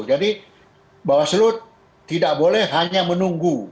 jadi bawaslu tidak boleh hanya menunggu